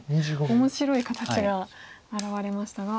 面白い形が現れましたが。